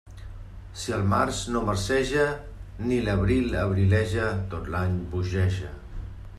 Si el març no marceja ni l'abril abrileja, tot l'any bogeja.